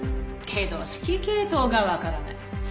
けど指揮系統がわからない。